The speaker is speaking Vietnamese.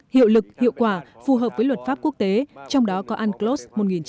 hiệu lực hiệu quả phù hợp với luật pháp quốc tế trong đó có unclos một nghìn chín trăm tám mươi hai